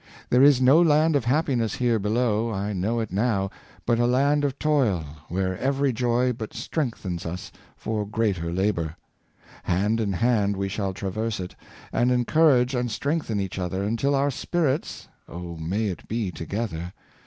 There is no land of happiness here be low, I know it now, but a land of toil, where every joy . William Cobbeifs Courtship. 583 but strengthens us for greater labor. Hand in hand we shall traverse it, and encourage and strengthen each other, until our spirits — oh, may it be together!